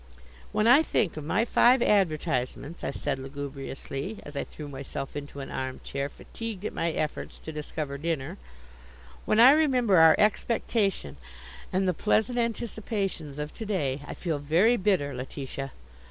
"When I think of my five advertisements," I said lugubriously, as I threw myself into an arm chair, fatigued at my efforts to discover dinner, "when I remember our expectation, and the pleasant anticipations of to day, I feel very bitter, Letitia.